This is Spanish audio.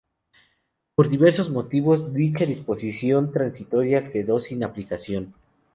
Por diversos motivos, dicha disposición transitoria quedó sin aplicación.